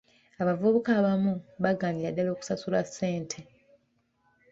Abavubuka abamu bagaanira ddaala okusasula ssente.